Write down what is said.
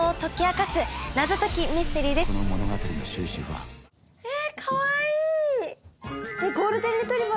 かわいい！